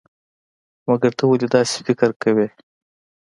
مګر ته ولې داسې فکر کوئ؟